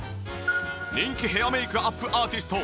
人気ヘアメイクアップアーティスト